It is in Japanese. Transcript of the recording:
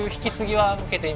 はい。